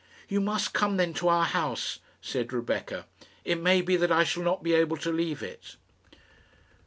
"You must come then to our house," said Rebecca. "It may be that I shall not be able to leave it."